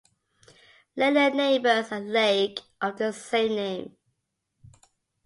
Layla neighbors a lake of the same name.